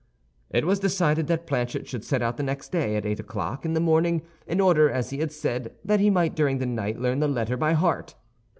It was decided that Planchet should set out the next day, at eight o'clock in the morning, in order, as he had said, that he might during the night learn the letter by heart.